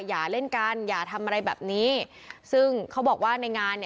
อย่าเล่นกันอย่าทำอะไรแบบนี้ซึ่งเขาบอกว่าในงานเนี่ย